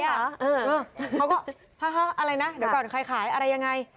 เขาก็อะไรนะเดี๋ยวก่อนใครขายอะไรยังไง